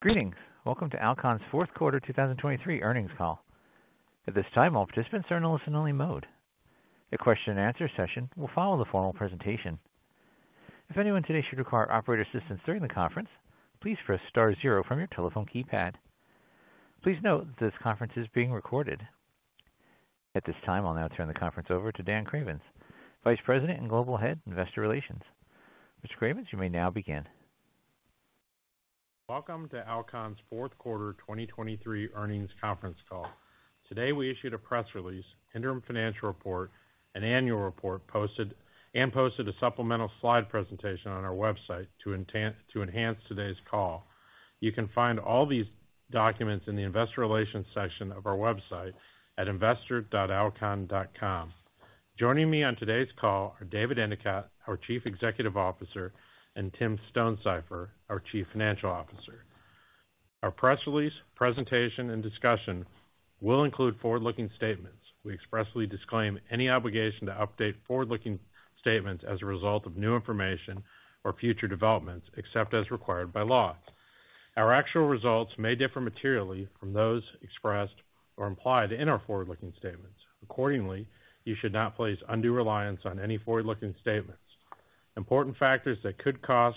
Greetings. Welcome to Alcon's Fourth Quarter 2023 Earnings Call. At this time, all participants are in a listen-only mode. A question-and-answer session will follow the formal presentation. If anyone today should require operator assistance during the conference, please press star zero from your telephone keypad. Please note that this conference is being recorded. At this time, I'll now turn the conference over to Dan Cravens, Vice President and Global Head, Investor Relations. Mr. Cravens, you may now begin. Welcome to Alcon's Fourth Quarter 2023 Earnings Conference Call. Today we issued a press release, interim financial report, and annual report, and posted a supplemental slide presentation on our website to enhance today's call. You can find all these documents in the investor relations section of our website at investor.alcon.com. Joining me on today's call are David Endicott, our Chief Executive Officer, and Tim Stonesifer, our Chief Financial Officer. Our press release, presentation, and discussion will include forward-looking statements. We expressly disclaim any obligation to update forward-looking statements as a result of new information or future developments, except as required by law. Our actual results may differ materially from those expressed or implied in our forward-looking statements. Accordingly, you should not place undue reliance on any forward-looking statements. Important factors that could cause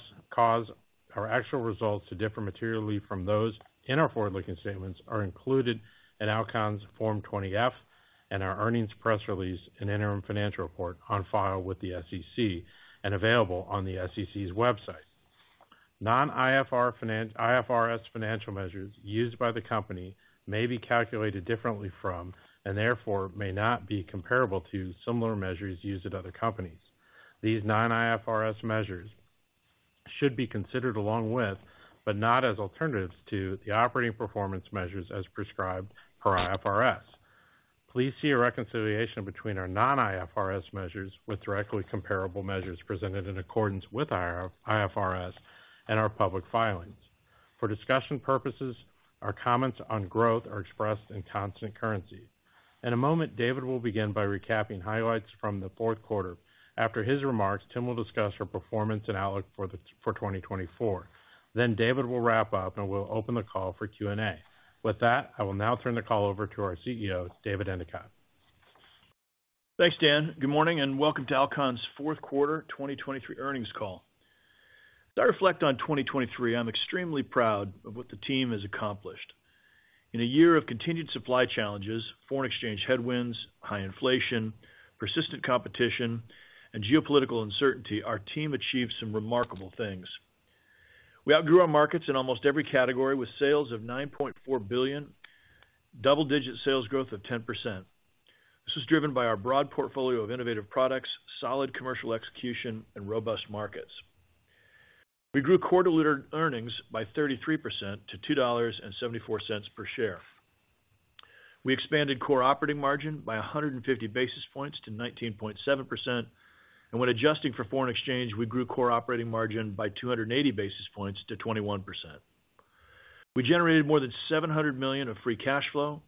our actual results to differ materially from those in our forward-looking statements are included in Alcon's Form 20-F and our earnings press release and interim financial report on file with the SEC and available on the SEC's website. Non-IFRS financial measures used by the company may be calculated differently from and therefore may not be comparable to similar measures used at other companies. These non-IFRS measures should be considered along with but not as alternatives to the operating performance measures as prescribed per IFRS. Please see a reconciliation between our non-IFRS measures with directly comparable measures presented in accordance with IFRS and our public filings. For discussion purposes, our comments on growth are expressed in constant currency. In a moment, David will begin by recapping highlights from the fourth quarter. After his remarks, Tim will discuss our performance and outlook for 2024. David will wrap up and we'll open the call for Q&A. With that, I will now turn the call over to our CEO, David Endicott. Thanks, Dan. Good morning and welcome to Alcon's Fourth Quarter 2023 Earnings Call. As I reflect on 2023, I'm extremely proud of what the team has accomplished. In a year of continued supply challenges, foreign exchange headwinds, high inflation, persistent competition, and geopolitical uncertainty, our team achieved some remarkable things. We outgrew our markets in almost every category with sales of $9.4 billion, double-digit sales growth of 10%. This was driven by our broad portfolio of innovative products, solid commercial execution, and robust markets. We grew quarterly earnings by 33% to $2.74 per share. We expanded core operating margin by 150 basis points to 19.7%, and when adjusting for foreign exchange, we grew core operating margin by 280 basis points to 21%. We generated more than $700 million of free cash flow,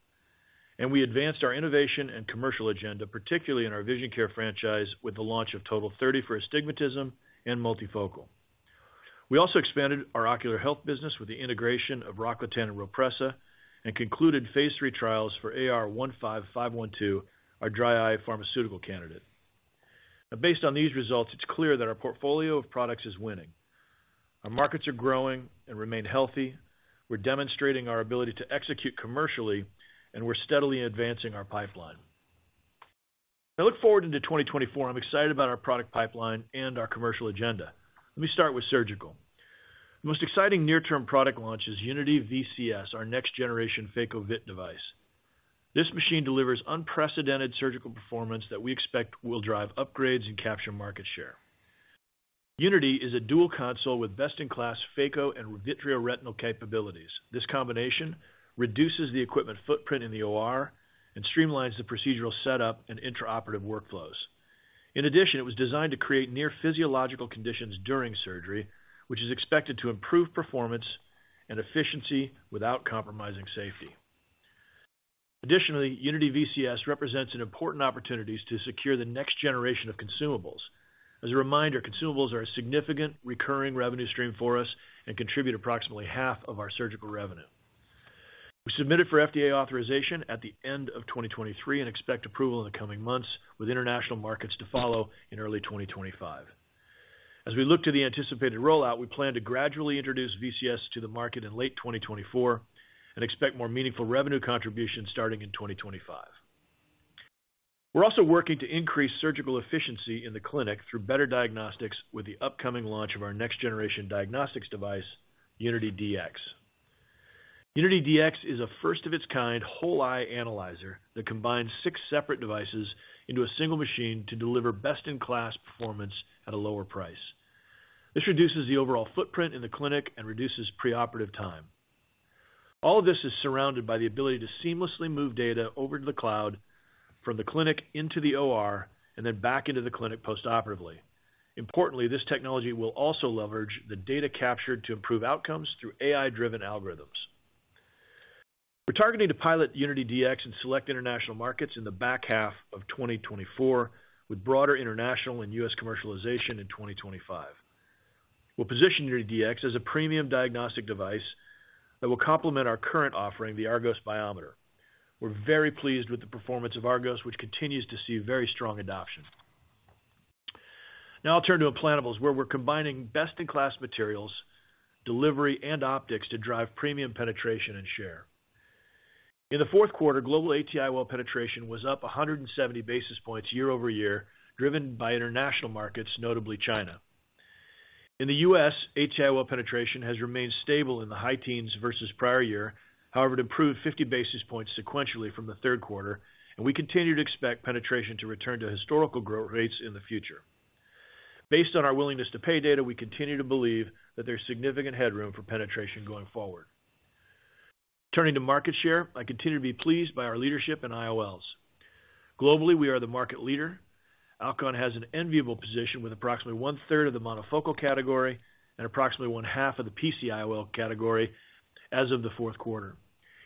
and we advanced our innovation and commercial agenda, particularly in our vision care franchise with the launch of TOTAL30 for astigmatism and multifocal. We also expanded our ocular health business with the integration of ROCKLATAN and RHOPRESSA, and concluded Phase III trials for AR-15512, our dry eye pharmaceutical candidate. Now, based on these results, it's clear that our portfolio of products is winning. Our markets are growing and remain healthy. We're demonstrating our ability to execute commercially, and we're steadily advancing our pipeline. As I look forward into 2024, I'm excited about our product pipeline and our commercial agenda. Let me start with surgical. The most exciting near-term product launch is UNITY VCS, our next-generation phaco-vit device. This machine delivers unprecedented surgical performance that we expect will drive upgrades and capture market share. UNITY is a dual console with best-in-class phaco and vitreoretinal capabilities. This combination reduces the equipment footprint in the OR and streamlines the procedural setup and intraoperative workflows. In addition, it was designed to create near-physiological conditions during surgery, which is expected to improve performance and efficiency without compromising safety. Additionally, UNITY VCS represents an important opportunity to secure the next generation of consumables. As a reminder, consumables are a significant recurring revenue stream for us and contribute approximately half of our surgical revenue. We submitted for FDA authorization at the end of 2023 and expect approval in the coming months, with international markets to follow in early 2025. As we look to the anticipated rollout, we plan to gradually introduce VCS to the market in late 2024 and expect more meaningful revenue contributions starting in 2025. We're also working to increase surgical efficiency in the clinic through better diagnostics with the upcoming launch of our next-generation diagnostics device, UNITY DX. UNITY DX is a first-of-its-kind whole-eye analyzer that combines six separate devices into a single machine to deliver best-in-class performance at a lower price. This reduces the overall footprint in the clinic and reduces preoperative time. All of this is surrounded by the ability to seamlessly move data over to the cloud from the clinic into the OR and then back into the clinic postoperatively. Importantly, this technology will also leverage the data captured to improve outcomes through AI-driven algorithms. We're targeting to pilot UNITY DX and select international markets in the back half of 2024, with broader international and U.S. commercialization in 2025. We'll position UNITY DX as a premium diagnostic device that will complement our current offering, the ARGOS Biometer. We're very pleased with the performance of ARGOS, which continues to see very strong adoption. Now I'll turn to implantables, where we're combining best-in-class materials, delivery, and optics to drive premium penetration and share. In the fourth quarter, global AT-IOL penetration was up 170 basis points year-over-year, driven by international markets, notably China. In the U.S., AT-IOL penetration has remained stable in the high teens versus prior year, however it improved 50 basis points sequentially from the third quarter, and we continue to expect penetration to return to historical growth rates in the future. Based on our willingness to pay data, we continue to believe that there's significant headroom for penetration going forward. Turning to market share, I continue to be pleased by our leadership in IOLs. Globally, we are the market leader. Alcon has an enviable position with approximately one-third of the monofocal category and approximately 1/2 of the PC-IOL category as of the fourth quarter.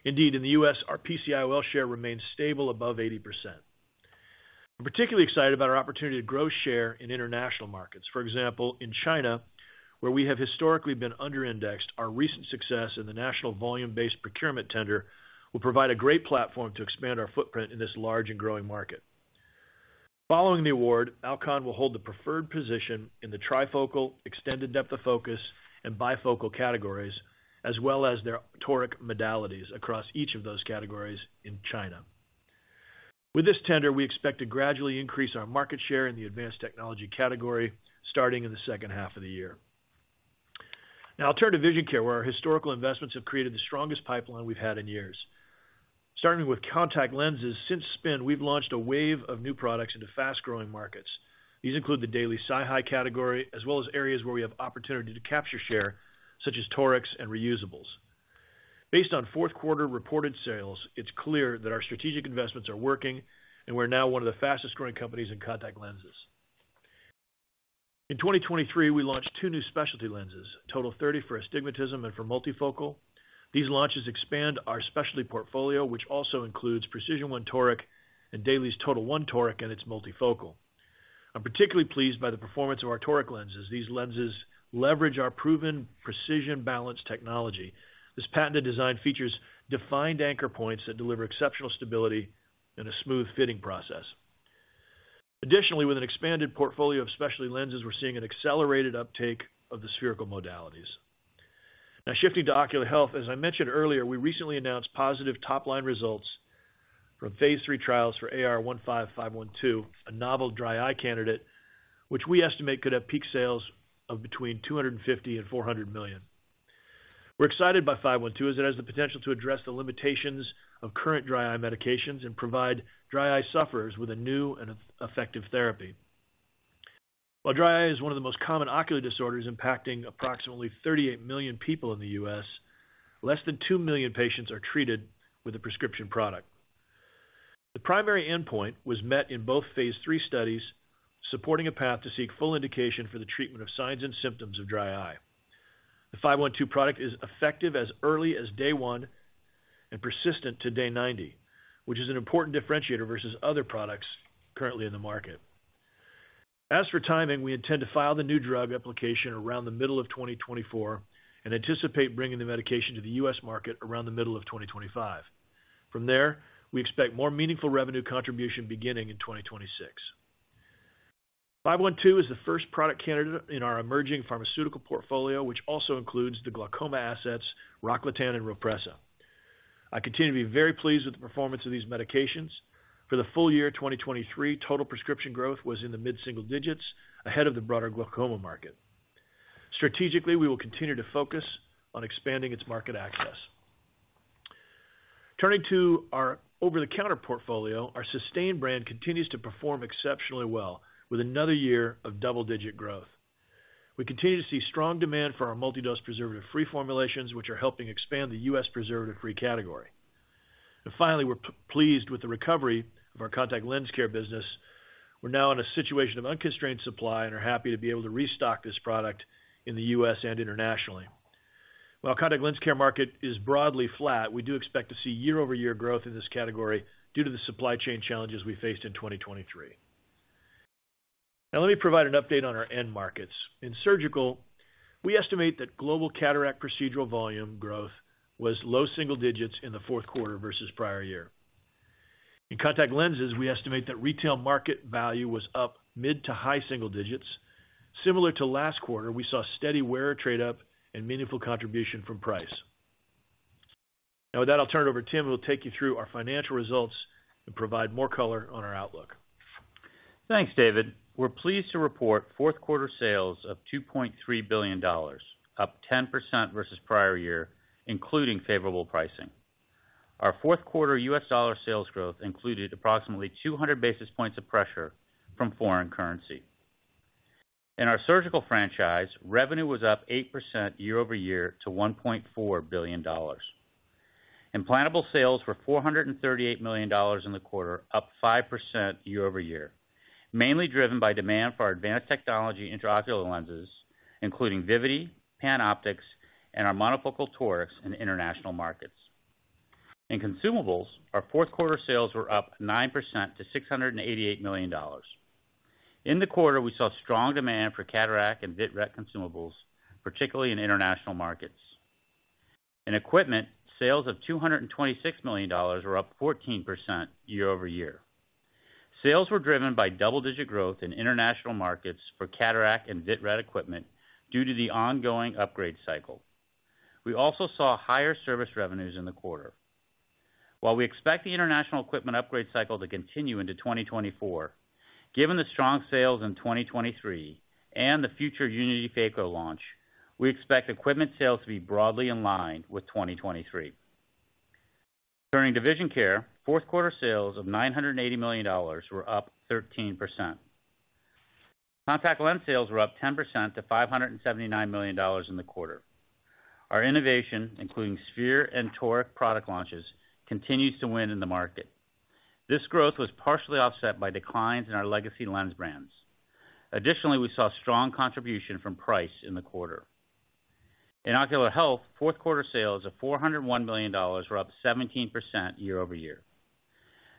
Indeed, in the U.S., our PC-IOL share remains stable above 80%. I'm particularly excited about our opportunity to grow share in international markets. For example, in China, where we have historically been underindexed, our recent success in the national volume-based procurement tender will provide a great platform to expand our footprint in this large and growing market. Following the award, Alcon will hold the preferred position in the trifocal, extended depth of focus, and bifocal categories, as well as their toric modalities across each of those categories in China. With this tender, we expect to gradually increase our market share in the advanced technology category starting in the second half of the year. Now I'll turn to vision care, where our historical investments have created the strongest pipeline we've had in years. Starting with contact lenses, since Spin, we've launched a wave of new products into fast-growing markets. These include the daily SiHy category, as well as areas where we have opportunity to capture share, such as torics and reusables. Based on fourth quarter reported sales, it's clear that our strategic investments are working, and we're now one of the fastest-growing companies in contact lenses. In 2023, we launched two new specialty lenses, TOTAL30 for astigmatism and for multifocal. These launches expand our specialty portfolio, which also includes PRECISION1 Toric and DAILIES TOTAL1 Toric and its multifocal. I'm particularly pleased by the performance of our toric lenses. These lenses leverage our proven precision balance technology. This patented design features defined anchor points that deliver exceptional stability and a smooth fitting process. Additionally, with an expanded portfolio of specialty lenses, we're seeing an accelerated uptake of the spherical modalities. Now shifting to ocular health, as I mentioned earlier, we recently announced positive top-line results from Phase III trials for AR-15512, a novel dry eye candidate, which we estimate could have peak sales of between $250 million and $400 million. We're excited by 512 as it has the potential to address the limitations of current dry eye medications and provide dry eye sufferers with a new and effective therapy. While dry eye is one of the most common ocular disorders impacting approximately 38 million people in the U.S., less than 2 million patients are treated with a prescription product. The primary endpoint was met in both Phase III studies, supporting a path to seek full indication for the treatment of signs and symptoms of dry eye. The 512 product is effective as early as day one and persistent to day 90, which is an important differentiator versus other products currently in the market. As for timing, we intend to file the new drug application around the middle of 2024 and anticipate bringing the medication to the U.S. market around the middle of 2025. From there, we expect more meaningful revenue contribution beginning in 2026. 512 is the first product candidate in our emerging pharmaceutical portfolio, which also includes the glaucoma assets, ROCKLATAN and RHOPRESSA. I continue to be very pleased with the performance of these medications. For the full year 2023, total prescription growth was in the mid-single digits, ahead of the broader glaucoma market. Strategically, we will continue to focus on expanding its market access. Turning to our over-the-counter portfolio, our SYSTANE brand continues to perform exceptionally well with another year of double-digit growth. We continue to see strong demand for our multidose preservative-free formulations, which are helping expand the U.S. preservative-free category. And finally, we're pleased with the recovery of our contact lens care business. We're now in a situation of unconstrained supply and are happy to be able to restock this product in the U.S. and internationally. While contact lens care market is broadly flat, we do expect to see year-over-year growth in this category due to the supply chain challenges we faced in 2023. Now let me provide an update on our end markets. In surgical, we estimate that global cataract procedural volume growth was low single digits in the fourth quarter versus prior year. In contact lenses, we estimate that retail market value was up mid- to high-single digits. Similar to last quarter, we saw steady wearer trade-up and meaningful contribution from price. Now with that, I'll turn it over to Tim, who will take you through our financial results and provide more color on our outlook. Thanks, David. We're pleased to report fourth quarter sales of $2.3 billion, up 10% versus prior year, including favorable pricing. Our fourth quarter U.S. dollar sales growth included approximately 200 basis points of pressure from foreign currency. In our surgical franchise, revenue was up 8% year-over-year to $1.4 billion. Implantable sales were $438 million in the quarter, up 5% year-over-year, mainly driven by demand for our advanced technology intraocular lenses, including Vivity, PanOptix, and our monofocal torics in international markets. In consumables, our fourth quarter sales were up 9% to $688 million. In the quarter, we saw strong demand for cataract and Vit-Ret consumables, particularly in international markets. In equipment, sales of $226 million were up 14% year-over-year. Sales were driven by double-digit growth in international markets for cataract and Vit-Ret equipment due to the ongoing upgrade cycle. We also saw higher service revenues in the quarter. While we expect the international equipment upgrade cycle to continue into 2024, given the strong sales in 2023 and the future UNITY phaco launch, we expect equipment sales to be broadly in line with 2023. Turning to vision care, fourth quarter sales of $980 million were up 13%. Contact lens sales were up 10% to $579 million in the quarter. Our innovation, including sphere and toric product launches, continues to win in the market. This growth was partially offset by declines in our legacy lens brands. Additionally, we saw strong contribution from price in the quarter. In ocular health, fourth quarter sales of $401 million were up 17% year-over-year.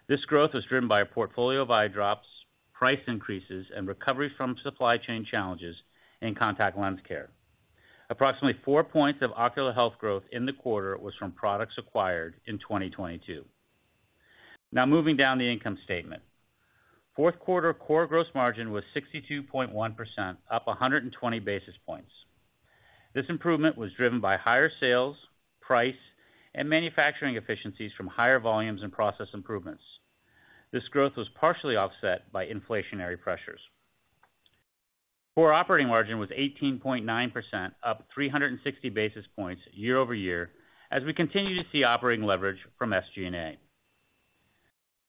This growth was driven by our portfolio of eyedrops, price increases, and recovery from supply chain challenges in contact lens care. Approximately four points of ocular health growth in the quarter was from products acquired in 2022. Now moving down the income statement. Fourth quarter core gross margin was 62.1%, up 120 basis points. This improvement was driven by higher sales, price, and manufacturing efficiencies from higher volumes and process improvements. This growth was partially offset by inflationary pressures. Core operating margin was 18.9%, up 360 basis points year-over-year, as we continue to see operating leverage from SG&A.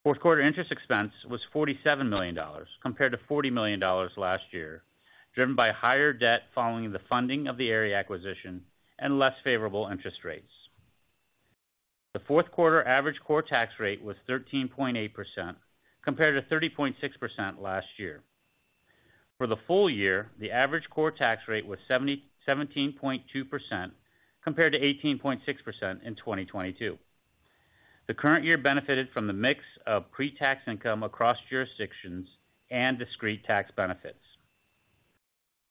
Fourth quarter interest expense was $47 million, compared to $40 million last year, driven by higher debt following the funding of the Aerie acquisition and less favorable interest rates. The fourth quarter average core tax rate was 13.8%, compared to 30.6% last year. For the full year, the average core tax rate was 17.2%, compared to 18.6% in 2022. The current year benefited from the mix of pre-tax income across jurisdictions and discrete tax benefits.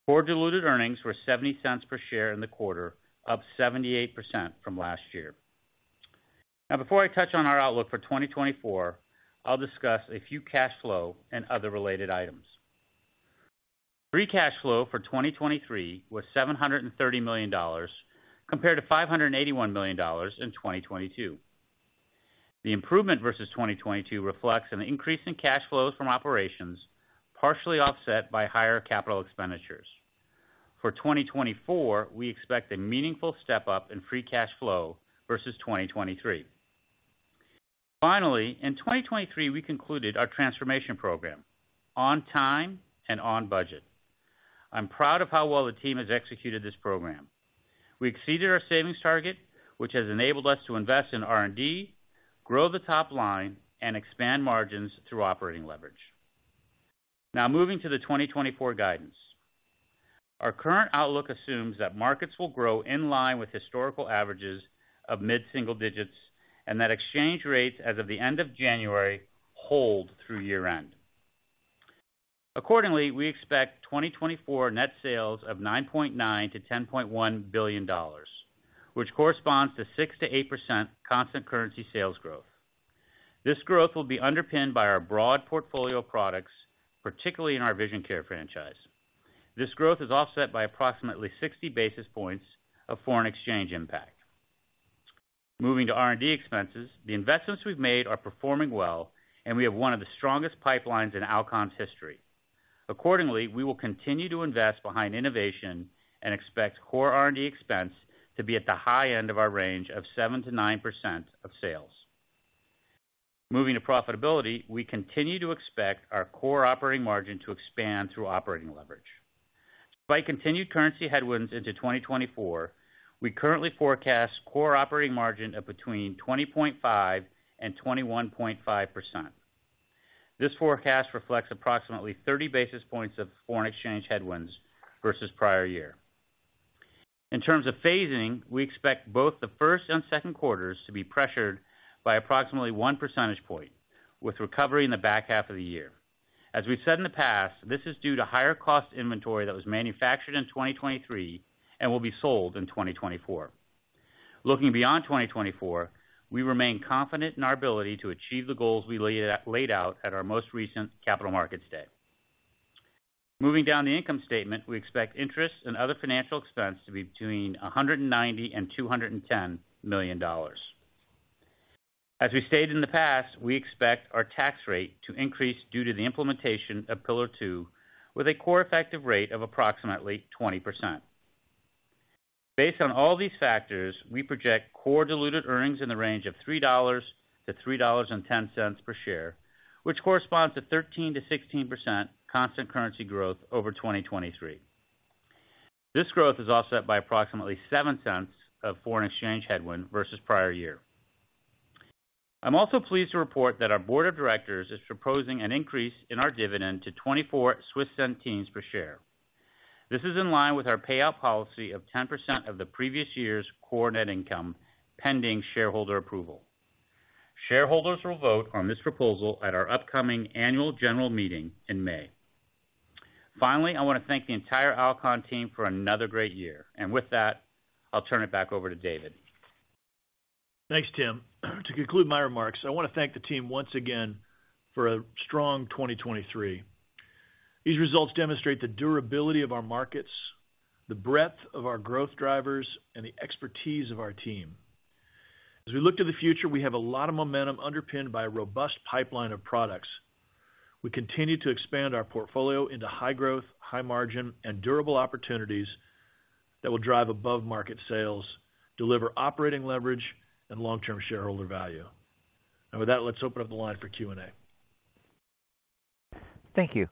Core diluted earnings were $0.70 per share in the quarter, up 78% from last year. Now before I touch on our outlook for 2024, I'll discuss a few cash flow and other related items. Free cash flow for 2023 was $730 million, compared to $581 million in 2022. The improvement versus 2022 reflects an increase in cash flows from operations, partially offset by higher capital expenditures. For 2024, we expect a meaningful step up in free cash flow versus 2023. Finally, in 2023, we concluded our transformation program, on time and on budget. I'm proud of how well the team has executed this program. We exceeded our savings target, which has enabled us to invest in R&D, grow the top line, and expand margins through operating leverage. Now moving to the 2024 guidance. Our current outlook assumes that markets will grow in line with historical averages of mid-single digits and that exchange rates, as of the end of January, hold through year-end. Accordingly, we expect 2024 net sales of $9.9 billion-$10.1 billion, which corresponds to 6%-8% constant currency sales growth. This growth will be underpinned by our broad portfolio products, particularly in our vision care franchise. This growth is offset by approximately 60 basis points of foreign exchange impact. Moving to R&D expenses, the investments we've made are performing well, and we have one of the strongest pipelines in Alcon's history. Accordingly, we will continue to invest behind innovation and expect core R&D expense to be at the high end of our range of 7%-9% of sales. Moving to profitability, we continue to expect our core operating margin to expand through operating leverage. Despite continued currency headwinds into 2024, we currently forecast core operating margin of between 20.5% and 21.5%. This forecast reflects approximately 30 basis points of foreign exchange headwinds versus prior year. In terms of phasing, we expect both the first and second quarters to be pressured by approximately one percentage point, with recovery in the back half of the year. As we've said in the past, this is due to higher-cost inventory that was manufactured in 2023 and will be sold in 2024. Looking beyond 2024, we remain confident in our ability to achieve the goals we laid out at our most recent Capital Markets Day. Moving down the income statement, we expect interest and other financial expense to be between $190 million and $210 million. As we stated in the past, we expect our tax rate to increase due to the implementation of Pillar Two, with a core effective rate of approximately 20%. Based on all these factors, we project core diluted earnings in the range of $3-$3.10 per share, which corresponds to 13%-16% constant currency growth over 2023. This growth is offset by approximately $0.07 of foreign exchange headwind versus prior year. I'm also pleased to report that our board of directors is proposing an increase in our dividend to 0.24 per share. This is in line with our payout policy of 10% of the previous year's core net income pending shareholder approval. Shareholders will vote on this proposal at our upcoming annual general meeting in May. Finally, I want to thank the entire Alcon team for another great year. With that, I'll turn it back over to David. Thanks, Tim. To conclude my remarks, I want to thank the team once again for a strong 2023. These results demonstrate the durability of our markets, the breadth of our growth drivers, and the expertise of our team. As we look to the future, we have a lot of momentum underpinned by a robust pipeline of products. We continue to expand our portfolio into high growth, high margin, and durable opportunities that will drive above-market sales, deliver operating leverage, and long-term shareholder value. Now with that, let's open up the line for Q&A. Thank you.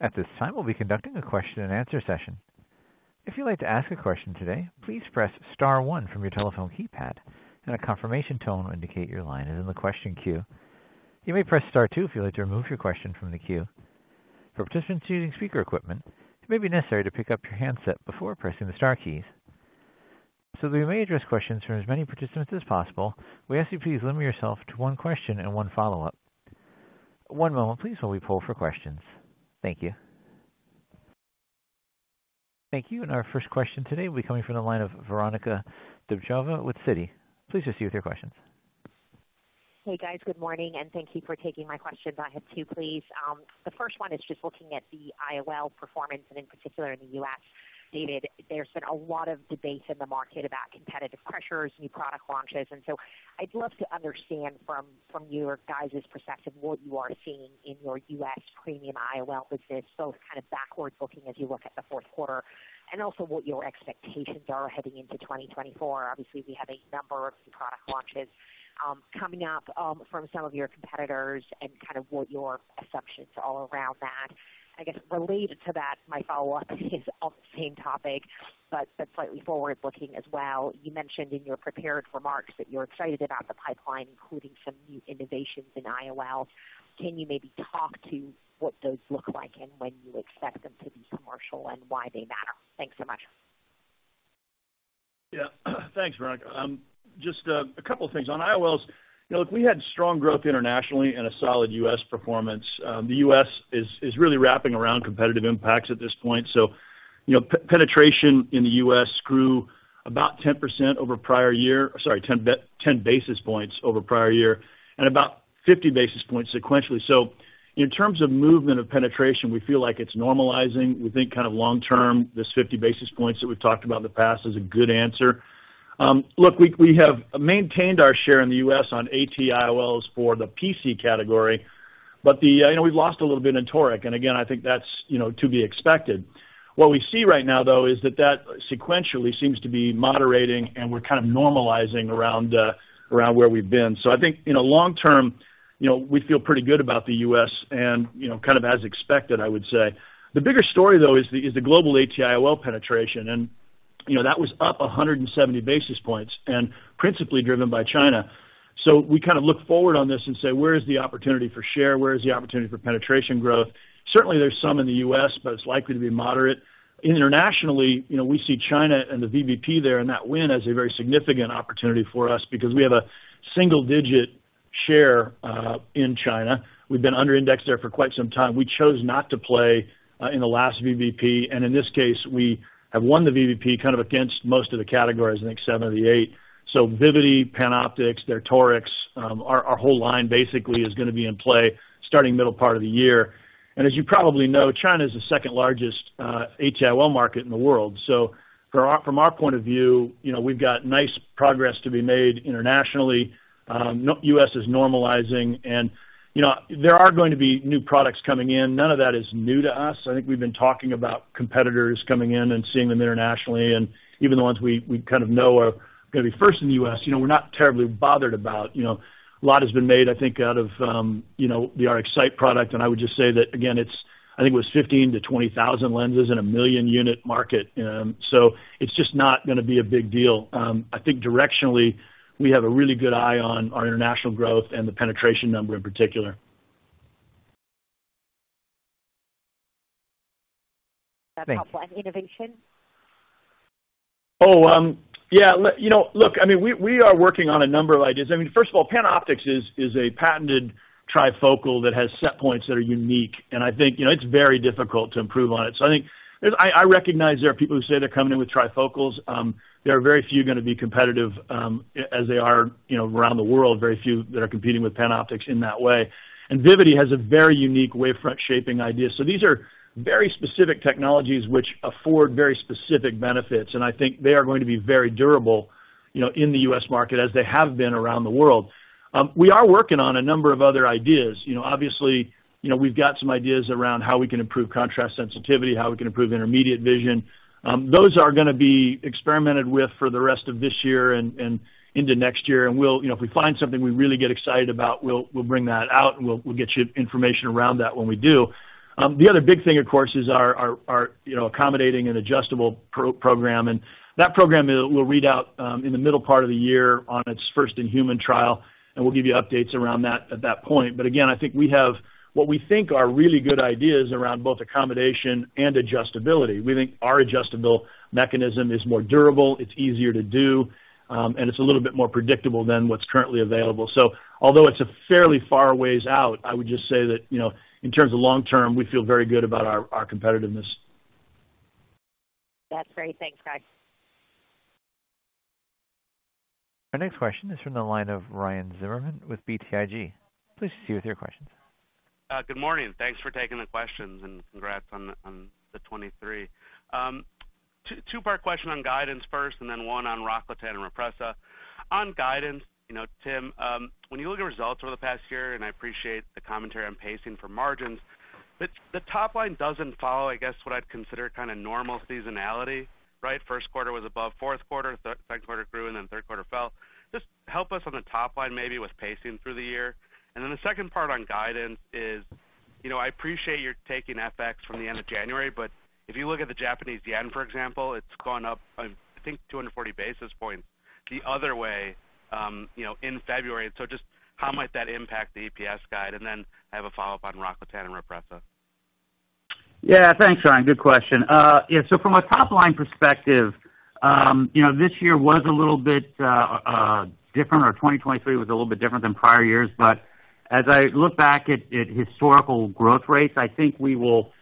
At this time, we'll be conducting a question-and-answer session. If you'd like to ask a question today, please press star one from your telephone keypad, and a confirmation tone will indicate your line is in the question queue. You may press star two if you'd like to remove your question from the queue. For participants using speaker equipment, it may be necessary to pick up your handset before pressing the star keys. So that we may address questions from as many participants as possible, we ask you to please limit yourself to one question and one follow-up. One moment, please, while we pull for questions. Thank you. Thank you. And our first question today will be coming from the line of Veronika Dubajova with Citi. Please proceed with your questions. Hey, guys. Good morning. And thank you for taking my questions. I have two, please. The first one is just looking at the IOL performance, and in particular in the U.S. David, there's been a lot of debate in the market about competitive pressures, new product launches. And so I'd love to understand from your guys' perspective what you are seeing in your U.S. premium IOL business, both kind of backwards-looking as you look at the fourth quarter, and also what your expectations are heading into 2024. Obviously, we have a number of new product launches coming up from some of your competitors and kind of what your assumptions are all around that. And I guess related to that, my follow-up is on the same topic, but slightly forward-looking as well. You mentioned in your prepared remarks that you're excited about the pipeline, including some new innovations in IOL. Can you maybe talk to what those look like and when you expect them to be commercial, and why they matter? Thanks so much. Yeah. Thanks, Veronika. Just a couple of things. On IOLs, look, we had strong growth internationally and a solid U.S. performance. The U.S. is really wrapping around competitive impacts at this point. So penetration in the U.S. grew about 10 basis points over prior year—sorry, 10 basis points over prior year, and about 50 basis points sequentially. So in terms of movement of penetration, we feel like it's normalizing. We think kind of long-term, this 50 basis points that we've talked about in the past is a good answer. Look, we have maintained our share in the U.S. on AT-IOLs for the PC category, but we've lost a little bit in toric. And again, I think that's to be expected. What we see right now, though, is that that sequentially seems to be moderating, and we're kind of normalizing around where we've been. I think in the long term, we feel pretty good about the U.S., and kind of as expected, I would say. The bigger story, though, is the global AT-IOL penetration. That was up 170 basis points and principally driven by China. We kind of look forward on this and say, "Where is the opportunity for share? Where is the opportunity for penetration growth?" Certainly, there's some in the U.S., but it's likely to be moderate. Internationally, we see China and the VBP there and that win as a very significant opportunity for us because we have a single-digit share in China. We've been under-indexed there for quite some time. We chose not to play in the last VBP. In this case, we have won the VBP kind of against most of the categories, I think seven of the eight. So Vivity, PanOptix, their torics, our whole line basically is going to be in play starting middle part of the year. And as you probably know, China is the second-largest AT-IOL market in the world. So from our point of view, we've got nice progress to be made internationally. The U.S. is normalizing. And there are going to be new products coming in. None of that is new to us. I think we've been talking about competitors coming in and seeing them internationally. And even the ones we kind of know are going to be first in the U.S., we're not terribly bothered about. A lot has been made, I think, out of the RxSight product. And I would just say that, again, I think it was 15,000-20,000 lenses in a 1 million-unit market. So it's just not going to be a big deal. I think directionally, we have a really good eye on our international growth and the penetration number in particular. That's helpful. And innovation? Oh, yeah. Look, I mean, we are working on a number of ideas. I mean, first of all, PanOptix is a patented trifocal that has set points that are unique. And I think it's very difficult to improve on it. So I think I recognize there are people who say they're coming in with trifocals. There are very few going to be competitive, as they are around the world, very few that are competing with PanOptix in that way. And Vivity has a very unique wavefront shaping idea. So these are very specific technologies which afford very specific benefits. And I think they are going to be very durable in the U.S. market as they have been around the world. We are working on a number of other ideas. Obviously, we've got some ideas around how we can improve contrast sensitivity, how we can improve intermediate vision. Those are going to be experimented with for the rest of this year and into next year. And if we find something we really get excited about, we'll bring that out, and we'll get you information around that when we do. The other big thing, of course, is our accommodating and adjustable program. And that program will read out in the middle part of the year on its first in-human trial, and we'll give you updates around that at that point. But again, I think we have what we think are really good ideas around both accommodation and adjustability. We think our adjustable mechanism is more durable, it's easier to do, and it's a little bit more predictable than what's currently available. So although it's a fairly far ways out, I would just say that in terms of long term, we feel very good about our competitiveness. That's great. Thanks, guys. Our next question is from the line of Ryan Zimmerman with BTIG. Please proceed with your questions. Good morning. Thanks for taking the questions, and congrats on the 2023. Two-part question on guidance first, and then one on ROCKLATAN and RHOPRESSA. On guidance, Tim, when you look at results over the past year, and I appreciate the commentary on pacing for margins, the top line doesn't follow, I guess, what I'd consider kind of normal seasonality, right? First quarter was above fourth quarter, second quarter grew, and then third quarter fell. Just help us on the top line maybe with pacing through the year. And then the second part on guidance is, I appreciate you're taking FX from the end of January, but if you look at the Japanese yen, for example, it's gone up, I think, 240 basis points the other way in February. And so just how might that impact the EPS guide? And then I have a follow-up on ROCKLATAN and RHOPRESSA. Yeah. Thanks, Ryan. Good question. Yeah. So from a top-line perspective, this year was a little bit different, or 2023 was a little bit different than prior years. But as I look back at historical growth rates, I think we will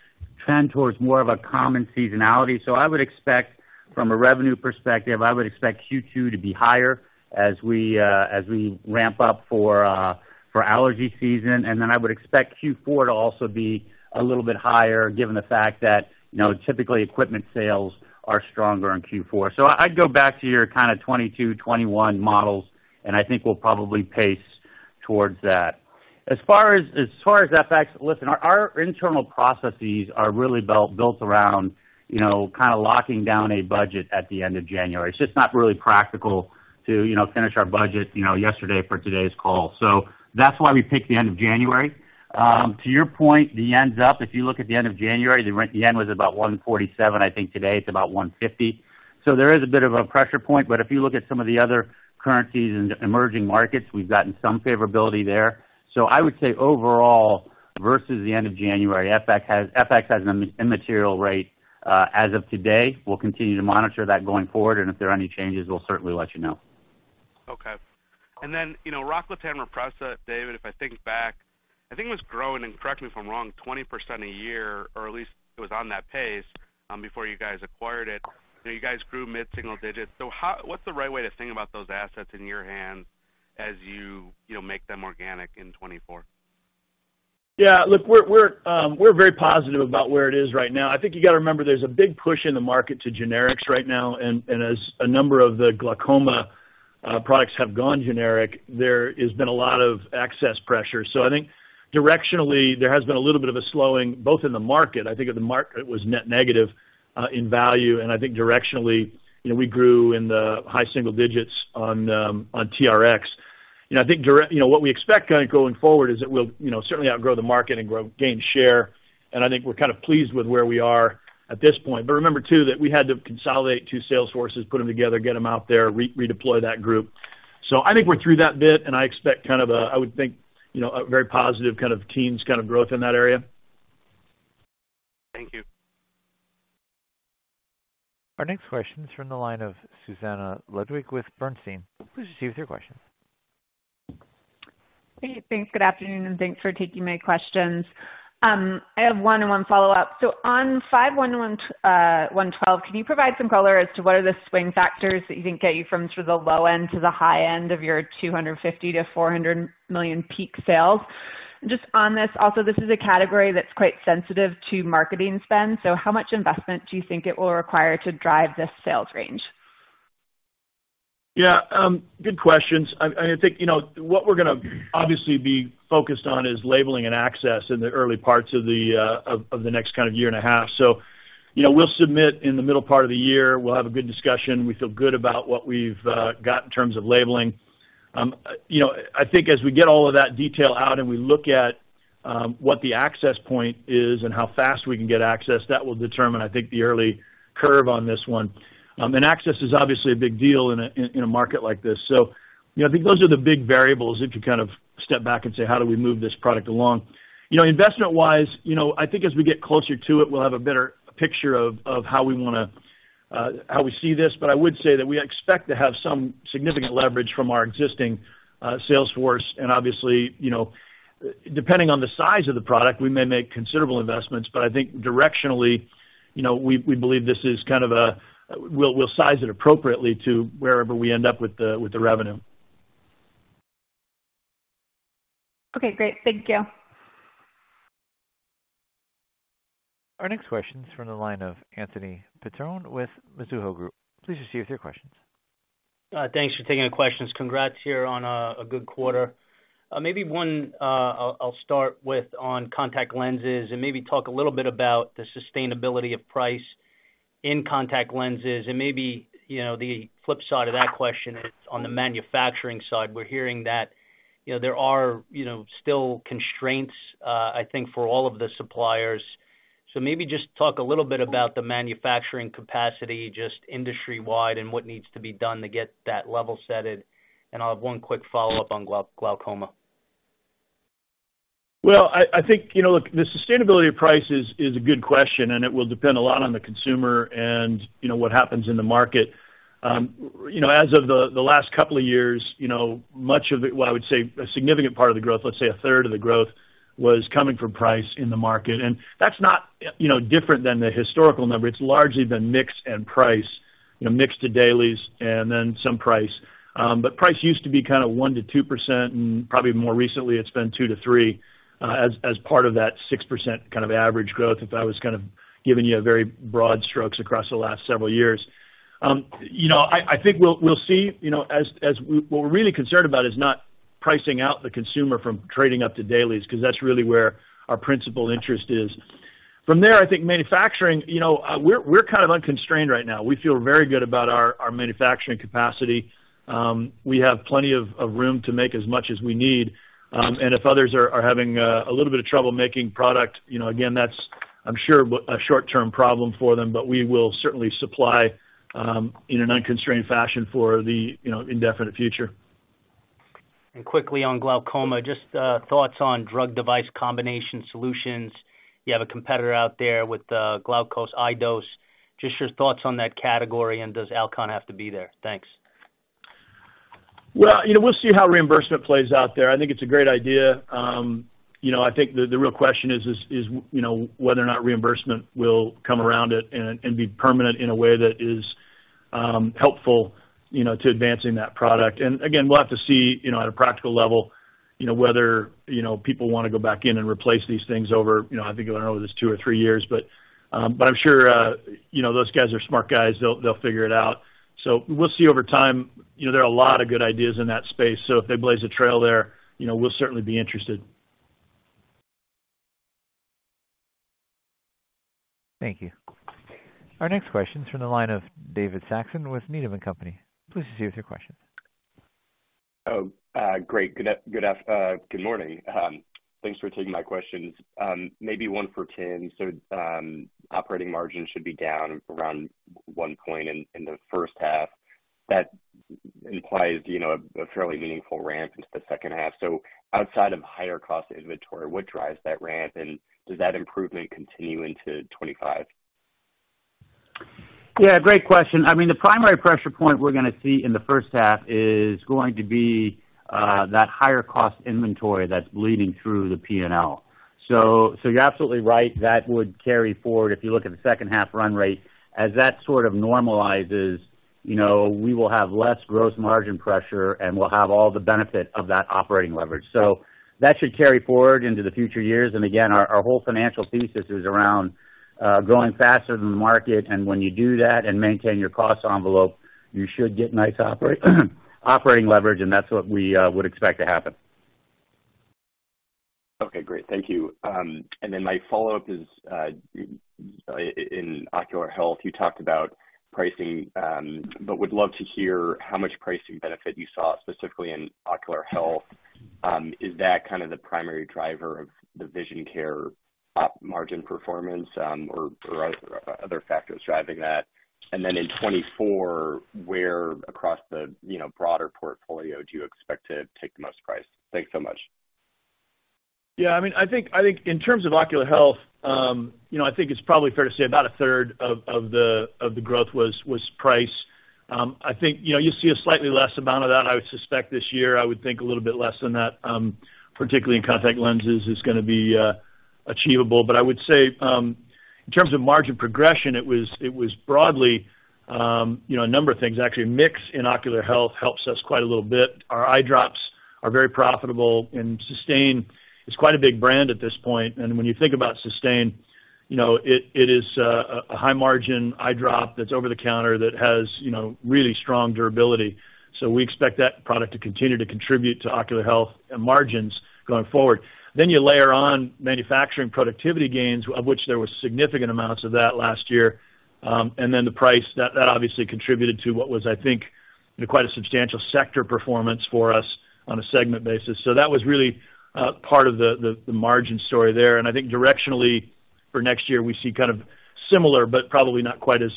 trend towards more of a common seasonality. So I would expect, from a revenue perspective, I would expect Q2 to be higher as we ramp up for allergy season. And then I would expect Q4 to also be a little bit higher given the fact that typically, equipment sales are stronger in Q4. So I'd go back to your kind of 2022, 2021 models, and I think we'll probably pace towards that. As far as FX, listen, our internal processes are really built around kind of locking down a budget at the end of January. It's just not really practical to finish our budget yesterday for today's call. So that's why we picked the end of January. To your point, the yen's up. If you look at the end of January, the yen was about 147. I think today, it's about 150. So there is a bit of a pressure point. But if you look at some of the other currencies and emerging markets, we've gotten some favorability there. So I would say overall, versus the end of January, FX has an immaterial rate as of today. We'll continue to monitor that going forward. And if there are any changes, we'll certainly let you know. Okay. And then ROCKLATAN and RHOPRESSA, David, if I think back, I think it was growing - and correct me if I'm wrong 20% a year, or at least it was on that pace before you guys acquired it. You guys grew mid-single digits. So what's the right way to think about those assets in your hands as you make them organic in 2024? Yeah. Look, we're very positive about where it is right now. I think you've got to remember there's a big push in the market to generics right now. And as a number of the glaucoma products have gone generic, there has been a lot of access pressure. So I think directionally, there has been a little bit of a slowing both in the market. I think at the market, it was net negative in value. And I think directionally, we grew in the high single digits on TRx. I think what we expect going forward is that we'll certainly outgrow the market and gain share. And I think we're kind of pleased with where we are at this point. But remember, too, that we had to consolidate two sales forces, put them together, get them out there, redeploy that group. So I think we're through that bit, and I expect kind of a, I would think, a very positive kind of teens kind of growth in that area. Thank you. Our next question is from the line of Susannah Ludwig with Bernstein. Please proceed with your questions. Hey. Thanks. Good afternoon. And thanks for taking my questions. I have one and one follow-up. So on AR-15512, can you provide some color as to what are the swing factors that you think get you from sort of the low end to the high end of your $250 million-$400 million peak sales? And just on this, also, this is a category that's quite sensitive to marketing spend. So how much investment do you think it will require to drive this sales range? Yeah. Good questions. I mean, I think what we're going to obviously be focused on is labeling and access in the early parts of the next kind of year and a half. So we'll submit in the middle part of the year. We'll have a good discussion. We feel good about what we've got in terms of labeling. I think as we get all of that detail out and we look at what the access point is and how fast we can get access, that will determine, I think, the early curve on this one. And access is obviously a big deal in a market like this. So I think those are the big variables if you kind of step back and say, "How do we move this product along?" Investment-wise, I think as we get closer to it, we'll have a better picture of how we want to how we see this. But I would say that we expect to have some significant leverage from our existing sales force. And obviously, depending on the size of the product, we may make considerable investments. But I think directionally, we believe this is kind of a we'll size it appropriately to wherever we end up with the revenue. Okay. Great. Thank you. Our next question is from the line of Anthony Petrone with Mizuho Group. Please proceed with your questions. Thanks for taking the questions. Congrats here on a good quarter. Maybe one, I'll start with on contact lenses and maybe talk a little bit about the sustainability of price in contact lenses. And maybe the flip side of that question is on the manufacturing side. We're hearing that there are still constraints, I think, for all of the suppliers. So maybe just talk a little bit about the manufacturing capacity just industry-wide and what needs to be done to get that level-setted. And I'll have one quick follow-up on glaucoma. Well, I think, look, the sustainability of price is a good question, and it will depend a lot on the consumer and what happens in the market. As of the last couple of years, much of it, well, I would say a significant part of the growth, let's say a 1/3 of the growth, was coming from price in the market. That's not different than the historical number. It's largely been mixed and price, mixed to dailies and then some price. But price used to be kind of 1%-2%, and probably more recently, it's been 2%-3% as part of that 6% kind of average growth if I was kind of giving you very broad strokes across the last several years. I think we'll see. What we're really concerned about is not pricing out the consumer from trading up to dailies because that's really where our principal interest is. From there, I think manufacturing, we're kind of unconstrained right now. We feel very good about our manufacturing capacity. We have plenty of room to make as much as we need. And if others are having a little bit of trouble making product, again, that's, I'm sure, a short-term problem for them. But we will certainly supply in an unconstrained fashion for the indefinite future. Quickly on glaucoma, just thoughts on drug-device combination solutions. You have a competitor out there with Glaukos, iDose. Just your thoughts on that category, and does Alcon have to be there? Thanks. Well, we'll see how reimbursement plays out there. I think it's a great idea. I think the real question is whether or not reimbursement will come around it and be permanent in a way that is helpful to advancing that product. And again, we'll have to see at a practical level whether people want to go back in and replace these things over I think over this two or three years. But I'm sure those guys are smart guys. They'll figure it out. So we'll see over time. There are a lot of good ideas in that space. So if they blaze a trail there, we'll certainly be interested. Thank you. Our next question is from the line of David Saxon with Needham & Company. Please proceed with your questions. Oh, great. Good morning. Thanks for taking my questions. Maybe one for Tim. So operating margin should be down around 1 point in the first half. That implies a fairly meaningful ramp into the second half. So outside of higher-cost inventory, what drives that ramp? And does that improvement continue into 2025? Yeah. Great question. I mean, the primary pressure point we're going to see in the first half is going to be that higher-cost inventory that's bleeding through the P&L. So you're absolutely right. That would carry forward if you look at the second-half run rate. As that sort of normalizes, we will have less gross margin pressure, and we'll have all the benefit of that operating leverage. So that should carry forward into the future years. And again, our whole financial thesis is around growing faster than the market. And when you do that and maintain your cost envelope, you should get nice operating leverage, and that's what we would expect to happen. Okay. Great. Thank you. Then my follow-up is in ocular health. You talked about pricing but would love to hear how much pricing benefit you saw specifically in ocular health. Is that kind of the primary driver of the vision care margin performance or other factors driving that? And then in 2024, where across the broader portfolio do you expect to take the most price? Thanks so much. Yeah. I mean, I think in terms of ocular health, I think it's probably fair to say about a 1/3 of the growth was price. I think you'll see a slightly less amount of that, I would suspect, this year. I would think a little bit less than that, particularly in contact lenses, is going to be achievable. But I would say in terms of margin progression, it was broadly a number of things. Actually, a mix in ocular health helps us quite a little bit. Our eyedrops are very profitable, and SYSTANE is quite a big brand at this point. And when you think about SYSTANE, it is a high-margin eyedrop that's over-the-counter that has really strong durability. So we expect that product to continue to contribute to ocular health and margins going forward. Then you layer on manufacturing productivity gains, of which there were significant amounts of that last year, and then the price. That obviously contributed to what was, I think, quite a substantial sector performance for us on a segment basis. So that was really part of the margin story there. And I think directionally, for next year, we see kind of similar but probably not quite as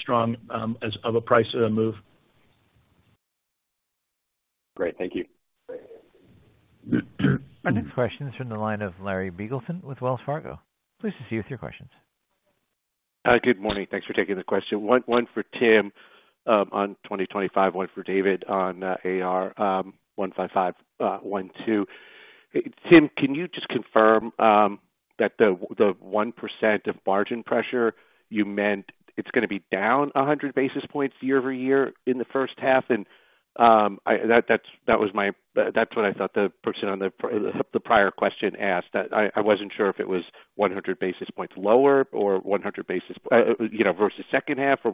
strong of a price move. Great. Thank you. Our next question is from the line of Larry Biegelsen with Wells Fargo. Please proceed with your questions. Good morning. Thanks for taking the question. One for Tim on 2025, one for David on AR-15512. Tim, can you just confirm that the 1% of margin pressure you meant, it's going to be down 100 basis points year-over-year in the first half? And that was my that's what I thought the person on the prior question asked. I wasn't sure if it was 100 basis points lower or 100 basis versus second half or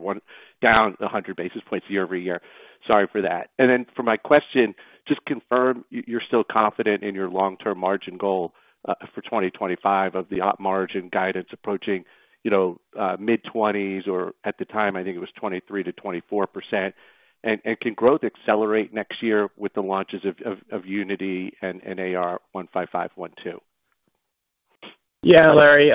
down 100 basis points year-over-year. Sorry for that. And then for my question, just confirm you're still confident in your long-term margin goal for 2025 of the op margin guidance approaching mid-20s or at the time, I think it was 23%-24%. And can growth accelerate next year with the launches of UNITY and AR-15512? Yeah, Larry.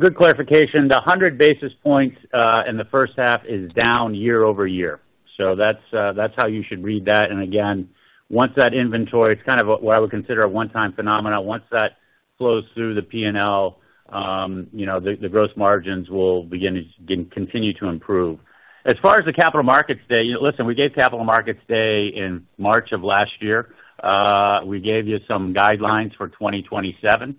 Good clarification. The 100 basis points in the first half is down year-over-year. So that's how you should read that. And again, once that inventory it's kind of what I would consider a one-time phenomenon. Once that flows through the P&L, the gross margins will begin to continue to improve. As far as the Capital Markets Day, listen, we gave Capital Markets Day in March of last year. We gave you some guidelines for 2027.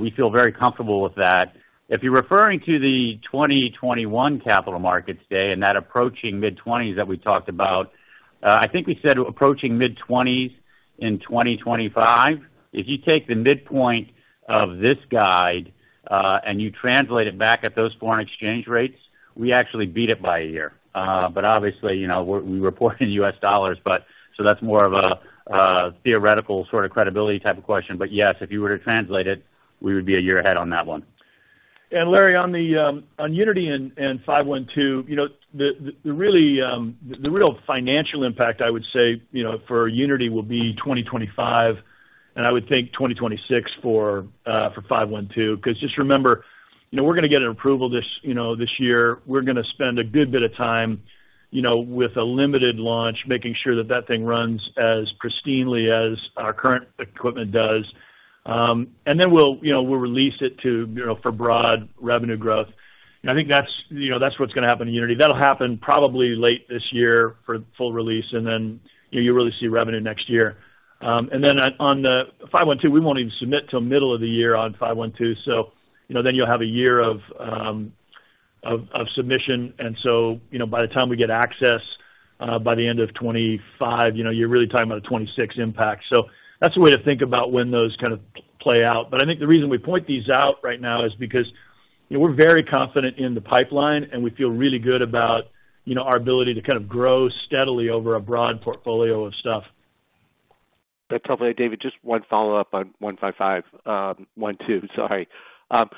We feel very comfortable with that. If you're referring to the 2021 Capital Markets Day and that approaching mid-20s that we talked about, I think we said approaching mid-20s in 2025, if you take the midpoint of this guide and you translate it back at those foreign exchange rates, we actually beat it by a year. But obviously, we report in U.S. dollars, so that's more of a theoretical sort of credibility type of question. But yes, if you were to translate it, we would be a year ahead on that one. And Larry, on UNITY and 512, the real financial impact, I would say, for UNITY will be 2025 and I would think 2026 for 512 because just remember, we're going to get an approval this year. We're going to spend a good bit of time with a limited launch, making sure that that thing runs as pristinely as our current equipment does. And then we'll release it for broad revenue growth. And I think that's what's going to happen in UNITY. That'll happen probably late this year for full release, and then you'll really see revenue next year. And then on the 512, we won't even submit till middle of the year on 512. So then you'll have a year of submission. And so by the time we get access by the end of 2025, you're really talking about a 2026 impact. So that's a way to think about when those kind of play out. But I think the reason we point these out right now is because we're very confident in the pipeline, and we feel really good about our ability to kind of grow steadily over a broad portfolio of stuff. That's helpful. Hey, David, just one follow-up on 15512. Sorry.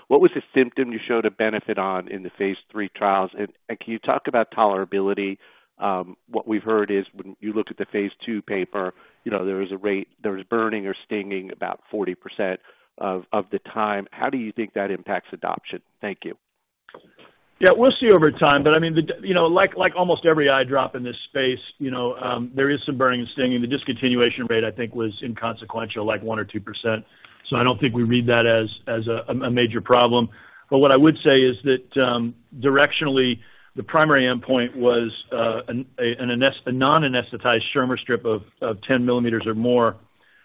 What was the symptom you showed a benefit on in the Phase III trials? And can you talk about tolerability? What we've heard is when you look at the Phase II paper, there was a rate there was burning or stinging about 40% of the time. How do you think that impacts adoption? Thank you. Yeah. We'll see over time. But I mean, like almost every eyedrop in this space, there is some burning and stinging. The discontinuation rate, I think, was inconsequential, like 1% or 2%. So I don't think we read that as a major problem. But what I would say is that directionally, the primary endpoint was a non-anesthetized Schirmer strip of 10 mm or more.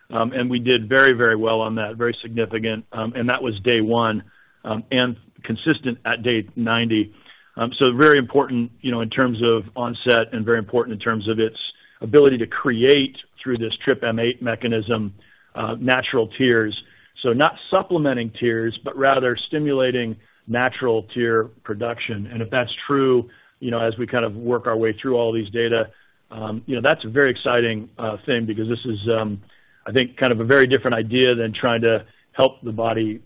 And we did very, very well on that, very significant. And that was day one and consistent at day 90. So very important in terms of onset and very important in terms of its ability to create, through this TRPM8 mechanism, natural tears. So not supplementing tears but rather stimulating natural tear production. If that's true, as we kind of work our way through all these data, that's a very exciting thing because this is, I think, kind of a very different idea than trying to help the body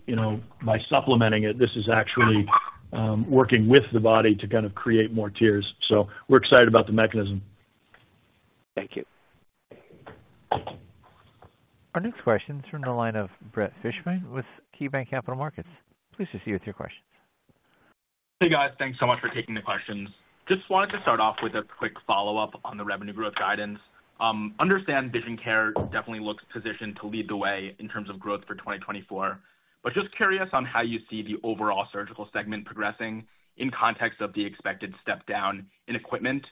by supplementing it. This is actually working with the body to kind of create more tears. We're excited about the mechanism. Thank you. Our next question is from the line of Brett Fishbin with KeyBanc Capital Markets. Please proceed with your questions. Hey, guys. Thanks so much for taking the questions. Just wanted to start off with a quick follow-up on the revenue growth guidance. Understand vision care definitely looks positioned to lead the way in terms of growth for 2024, but just curious on how you see the overall surgical segment progressing in context of the expected step down in equipment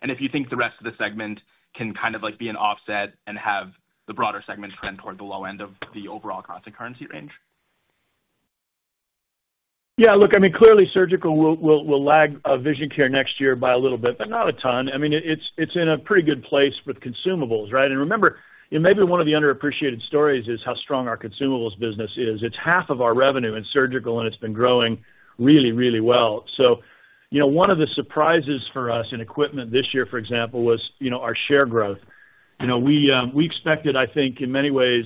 and if you think the rest of the segment can kind of be an offset and have the broader segment trend toward the low end of the overall constant currency range? Yeah. Look, I mean, clearly, surgical will lag vision care next year by a little bit but not a ton. I mean, it's in a pretty good place with consumables, right? And remember, maybe one of the underappreciated stories is how strong our consumables business is. It's half of our revenue in surgical, and it's been growing really, really well. So one of the surprises for us in equipment this year, for example, was our share growth. We expected, I think, in many ways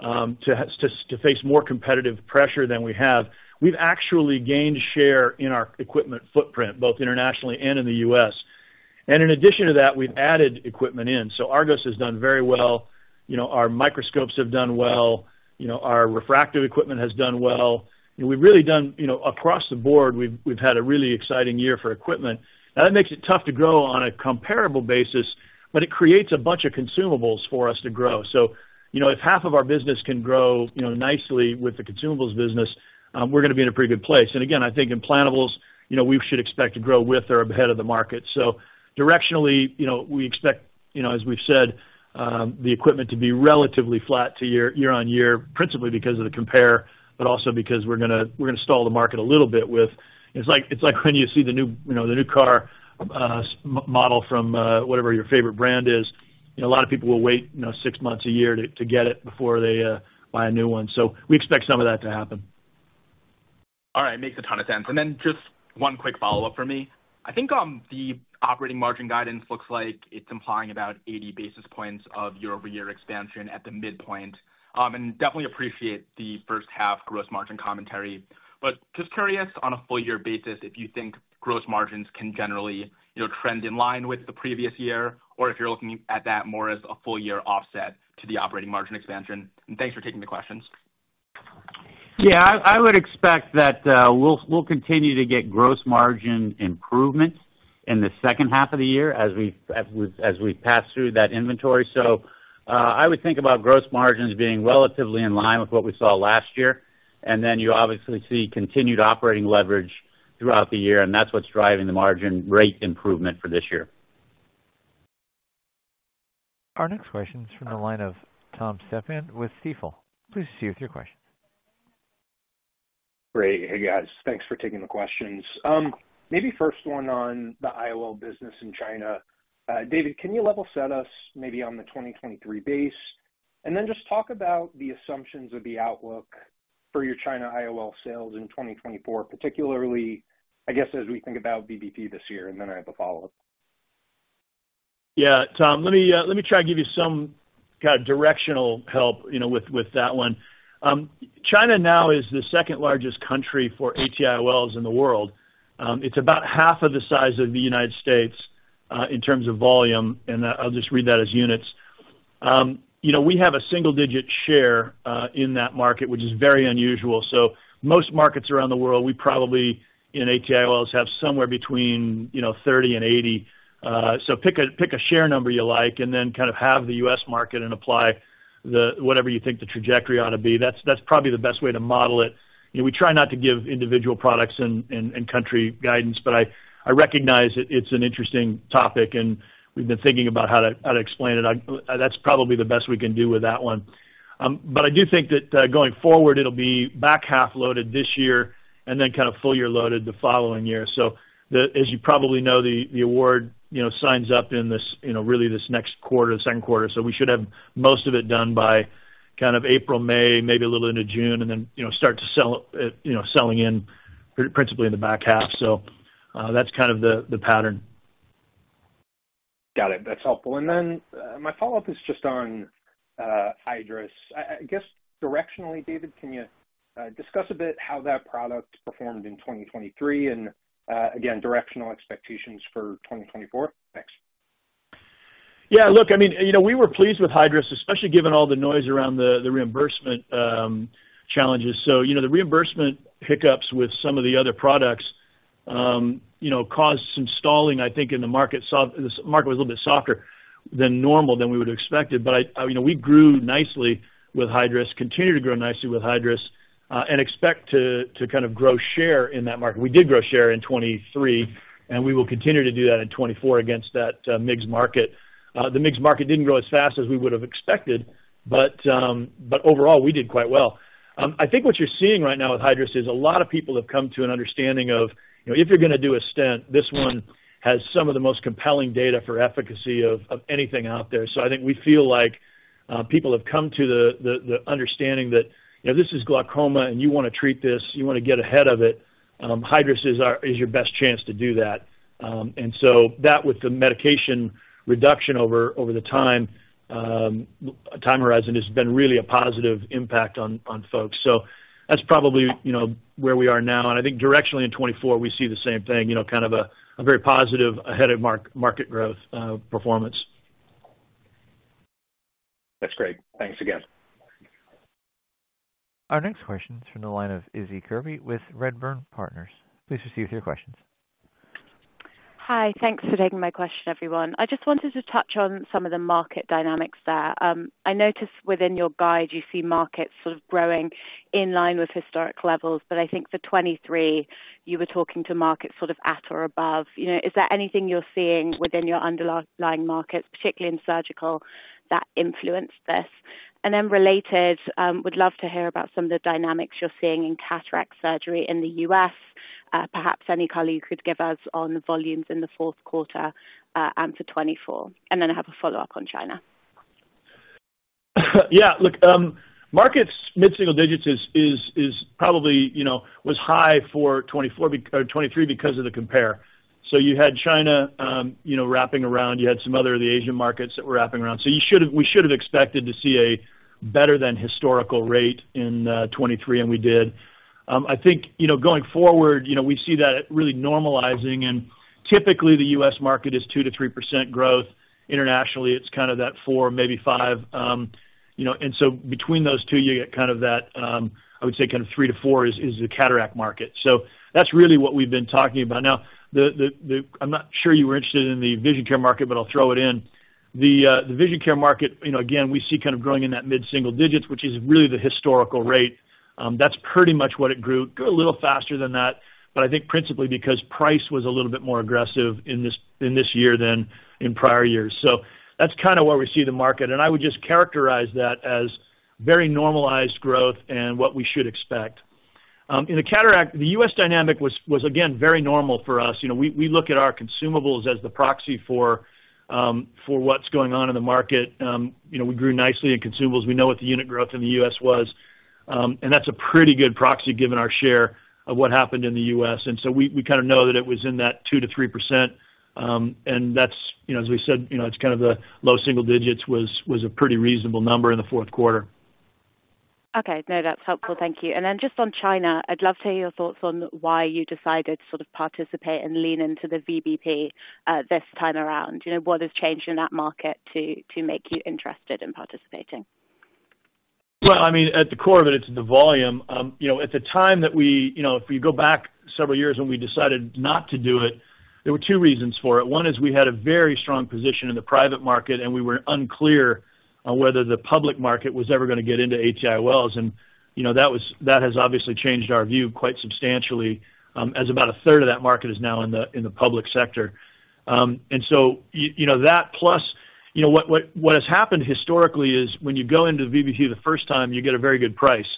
to face more competitive pressure than we have. We've actually gained share in our equipment footprint, both internationally and in the U.S. And in addition to that, we've added equipment in. So ARGOS has done very well. Our microscopes have done well. Our refractive equipment has done well. We've really done across the board, we've had a really exciting year for equipment. Now, that makes it tough to grow on a comparable basis, but it creates a bunch of consumables for us to grow. So if half of our business can grow nicely with the consumables business, we're going to be in a pretty good place. And again, I think implantables, we should expect to grow with or ahead of the market. So directionally, we expect, as we've said, the equipment to be relatively flat year-on-year, principally because of the compare but also because we're going to stall the market a little bit with, it's like when you see the new car model from whatever your favorite brand is. A lot of people will wait six months, a year to get it before they buy a new one. So we expect some of that to happen. All right. Makes a ton of sense. And then just one quick follow-up from me. I think the operating margin guidance looks like it's implying about 80 basis points of year-over-year expansion at the midpoint. And definitely appreciate the first-half gross margin commentary. But just curious, on a full-year basis, if you think gross margins can generally trend in line with the previous year or if you're looking at that more as a full-year offset to the operating margin expansion? And thanks for taking the questions. Yeah. I would expect that we'll continue to get gross margin improvement in the second half of the year as we pass through that inventory. I would think about gross margins being relatively in line with what we saw last year. You obviously see continued operating leverage throughout the year, and that's what's driving the margin rate improvement for this year. Our next question is from the line of Tom Stephan with Stifel. Please proceed with your questions. Great. Hey, guys. Thanks for taking the questions. Maybe first one on the IOL business in China. David, can you level set us maybe on the 2023 base and then just talk about the assumptions of the outlook for your China IOL sales in 2024, particularly, I guess, as we think about VBP this year? And then I have a follow-up. Yeah. Tom, let me try to give you some kind of directional help with that one. China now is the second-largest country for AT-IOLs in the world. It's about half of the size of the United States in terms of volume. And I'll just read that as units. We have a single-digit share in that market, which is very unusual. So most markets around the world, we probably in AT-IOLs have somewhere between 30 and 80. So pick a share number you like and then kind of halve the U.S. market and apply whatever you think the trajectory ought to be. That's probably the best way to model it. We try not to give individual products and country guidance, but I recognize it's an interesting topic, and we've been thinking about how to explain it. That's probably the best we can do with that one. But I do think that going forward, it'll be back half-loaded this year and then kind of full-year loaded the following year. So as you probably know, the award signs up in really this next quarter, the second quarter. So we should have most of it done by kind of April, May, maybe a little into June, and then start to sell it selling in principally in the back half. So that's kind of the pattern. Got it. That's helpful. And then my follow-up is just on Hydrus. I guess directionally, David, can you discuss a bit how that product performed in 2023 and, again, directional expectations for 2024? Thanks. Yeah. Look, I mean, we were pleased with Hydrus, especially given all the noise around the reimbursement challenges. So the reimbursement hiccups with some of the other products caused some stalling, I think, in the market. The market was a little bit softer than normal, than we would have expected. But we grew nicely with Hydrus, continue to grow nicely with Hydrus, and expect to kind of grow share in that market. We did grow share in 2023, and we will continue to do that in 2024 against that MIGS market. The MIGS market didn't grow as fast as we would have expected, but overall, we did quite well. I think what you're seeing right now with Hydrus is a lot of people have come to an understanding of if you're going to do a stent, this one has some of the most compelling data for efficacy of anything out there. So I think we feel like people have come to the understanding that if this is glaucoma and you want to treat this, you want to get ahead of it, Hydrus is your best chance to do that. And so that with the medication reduction over the time horizon has been really a positive impact on folks. So that's probably where we are now. And I think directionally in 2024, we see the same thing, kind of a very positive ahead-of-market growth performance. That's great. Thanks again. Our next question is from the line of Issie Kirby with Redburn Partners. Please proceed with your questions. Hi. Thanks for taking my question, everyone. I just wanted to touch on some of the market dynamics there. I noticed within your guide, you see markets sort of growing in line with historic levels, but I think for 2023, you were talking to markets sort of at or above. Is there anything you're seeing within your underlying markets, particularly in surgical, that influenced this? And then related, would love to hear about some of the dynamics you're seeing in cataract surgery in the U.S., perhaps any color you could give us on volumes in the fourth quarter and for 2024. And then I have a follow-up on China. Yeah. Look, markets mid-single digits probably was high for 2023 because of the compare. So you had China wrapping around. You had some other of the Asian markets that were wrapping around. So we should have expected to see a better-than-historical rate in 2023, and we did. I think going forward, we see that really normalizing. And typically, the U.S. market is 2%-3% growth. Internationally, it's kind of that 4%, maybe 5%. And so between those two, you get kind of that I would say kind of 3%-4% is the cataract market. So that's really what we've been talking about. Now, I'm not sure you were interested in the vision care market, but I'll throw it in. The vision care market, again, we see kind of growing in that mid-single digits, which is really the historical rate. That's pretty much what it grew. Grew a little faster than that, but I think principally because price was a little bit more aggressive in this year than in prior years. So that's kind of where we see the market. And I would just characterize that as very normalized growth and what we should expect. In the cataract, the U.S. dynamic was, again, very normal for us. We look at our consumables as the proxy for what's going on in the market. We grew nicely in consumables. We know what the unit growth in the U.S. was. And that's a pretty good proxy given our share of what happened in the U.S. And so we kind of know that it was in that 2%-3%. And as we said, it's kind of the low single digits was a pretty reasonable number in the fourth quarter. Okay. No, that's helpful. Thank you. And then just on China, I'd love to hear your thoughts on why you decided to sort of participate and lean into the VBP this time around. What has changed in that market to make you interested in participating? Well, I mean, at the core of it, it's the volume. At the time that we if you go back several years when we decided not to do it, there were two reasons for it. One is we had a very strong position in the private market, and we were unclear on whether the public market was ever going to get into AT-IOLs. And that has obviously changed our view quite substantially as about a third of that market is now in the public sector. And so that plus what has happened historically is when you go into the VBP the first time, you get a very good price.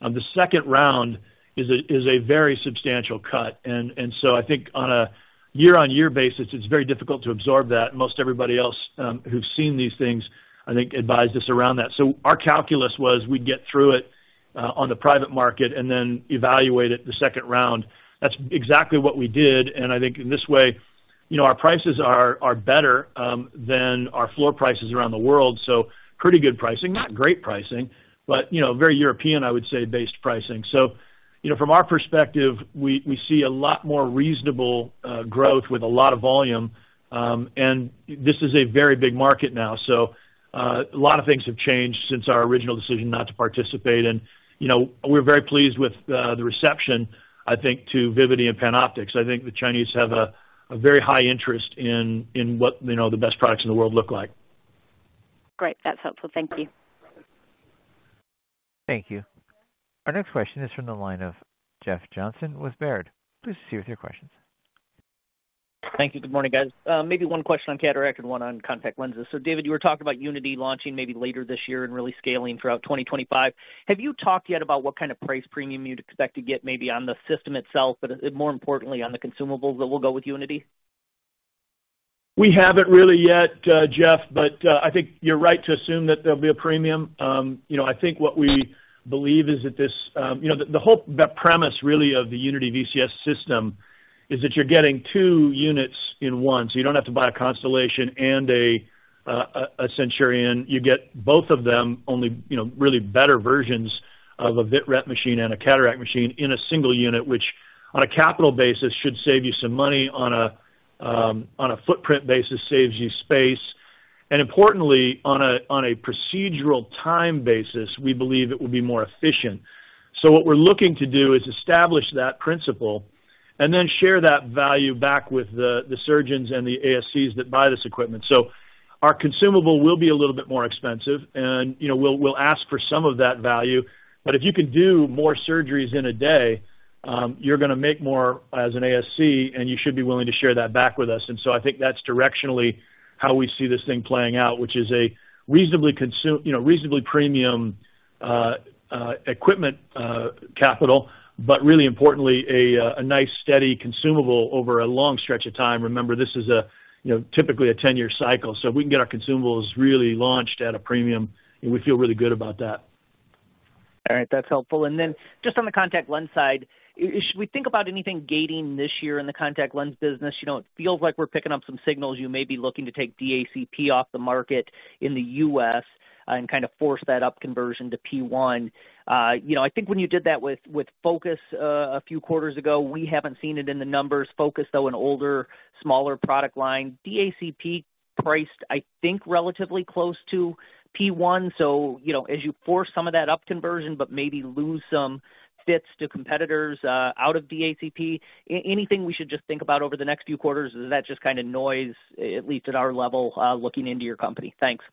The second round is a very substantial cut. And so I think on a year-on-year basis, it's very difficult to absorb that. Most everybody else who's seen these things, I think, advised us around that. So our calculus was we'd get through it on the private market and then evaluate it the second round. That's exactly what we did. And I think in this way, our prices are better than our floor prices around the world. So pretty good pricing, not great pricing, but very European, I would say, based pricing. So from our perspective, we see a lot more reasonable growth with a lot of volume. And this is a very big market now. So a lot of things have changed since our original decision not to participate. And we're very pleased with the reception, I think, to Vivity and PanOptix. I think the Chinese have a very high interest in what the best products in the world look like. Great. That's helpful. Thank you. Thank you. Our next question is from the line of Jeff Johnson with Baird. Please proceed with your questions. Thank you. Good morning, guys. Maybe one question on cataract and one on contact lenses. So David, you were talking about UNITY launching maybe later this year and really scaling throughout 2025. Have you talked yet about what kind of price premium you'd expect to get maybe on the system itself, but more importantly, on the consumables that will go with UNITY? We haven't really yet, Jeff, but I think you're right to assume that there'll be a premium. I think what we believe is that this the whole premise, really, of the UNITY VCS system is that you're getting two units in one. So you don't have to buy a Constellation and a Centurion. You get both of them, only really better versions of a Vit-Ret machine and a cataract machine in a single unit, which on a capital basis should save you some money. On a footprint basis, saves you space. And importantly, on a procedural time basis, we believe it will be more efficient. So what we're looking to do is establish that principle and then share that value back with the surgeons and the ASCs that buy this equipment. So our consumable will be a little bit more expensive, and we'll ask for some of that value. But if you can do more surgeries in a day, you're going to make more as an ASC, and you should be willing to share that back with us. And so I think that's directionally how we see this thing playing out, which is a reasonably premium equipment capital, but really importantly, a nice, steady consumable over a long stretch of time. Remember, this is typically a 10-year cycle. So if we can get our consumables really launched at a premium, we feel really good about that. All right. That's helpful. Then just on the contact lens side, should we think about anything gating this year in the contact lens business? It feels like we're picking up some signals. You may be looking to take DACP off the market in the U.S. and kind of force that up conversion to P1. I think when you did that with Focus a few quarters ago, we haven't seen it in the numbers. Focus, though, an older, smaller product line. DACP priced, I think, relatively close to P1. As you force some of that up conversion but maybe lose some fits to competitors out of DACP, anything we should just think about over the next few quarters? Is that just kind of noise, at least at our level, looking into your company? Thanks.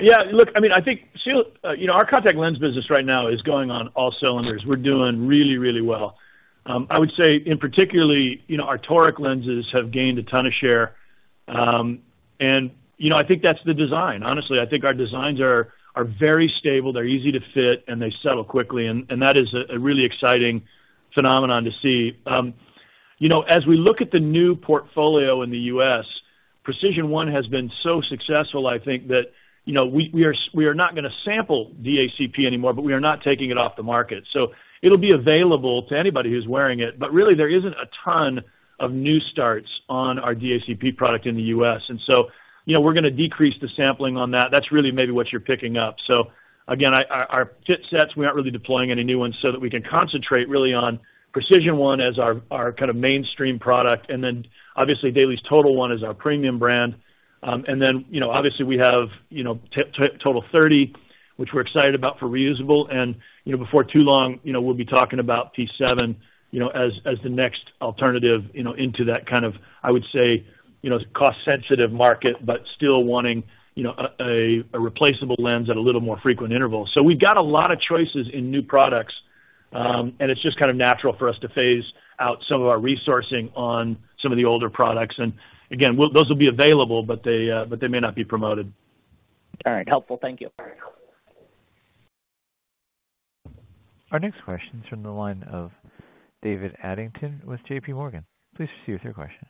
Yeah. Look, I mean, I think our contact lens business right now is going on all cylinders. We're doing really, really well. I would say, in particular, our toric lenses have gained a ton of share. I think that's the design. Honestly, I think our designs are very stable. They're easy to fit, and they settle quickly. That is a really exciting phenomenon to see. As we look at the new portfolio in the U.S., PRECISION1 has been so successful, I think, that we are not going to sample DACP anymore, but we are not taking it off the market. It'll be available to anybody who's wearing it. Really, there isn't a ton of new starts on our DACP product in the U.S. We're going to decrease the sampling on that. That's really maybe what you're picking up. So again, our fit sets, we aren't really deploying any new ones so that we can concentrate really on PRECISION1 as our kind of mainstream product. And then obviously, DAILIES TOTAL1 is our premium brand. And then obviously, we have TOTAL30, which we're excited about for reusable. And before too long, we'll be talking about P7 as the next alternative into that kind of, I would say, cost-sensitive market but still wanting a replaceable lens at a little more frequent interval. So we've got a lot of choices in new products, and it's just kind of natural for us to phase out some of our resourcing on some of the older products. And again, those will be available, but they may not be promoted. All right. Helpful. Thank you. Our next question is from the line of David Adlington with JP Morgan. Please proceed with your question.